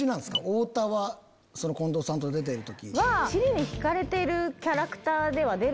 太田は近藤さんと出てる時。